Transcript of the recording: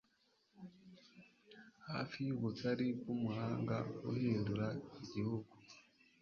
hafi yubugari bwumuhanda uhindura igihugu